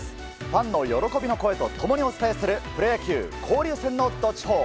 ファンの喜びの声と共にお伝えするプロ野球、交流戦のどっちほー。